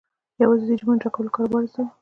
یوازې د جیبونو د ډکولو کاروبار یې زده وو.